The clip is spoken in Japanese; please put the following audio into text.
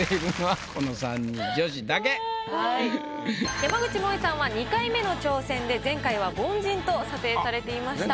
山口もえさんは２回目の挑戦で前回は凡人と査定されていました。